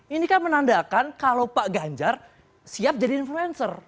ini kan menandakan kalau pak ganjar siap jadi influencer